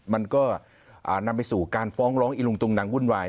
มันก็นำไปสู่การฟ้องร้องอิลุงตุงนังวุ่นวาย